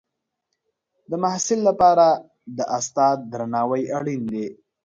د محصل لپاره د استاد درناوی اړین دی.